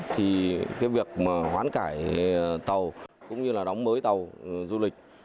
thì việc hoán cải tàu cũng như đóng mới tàu du lịch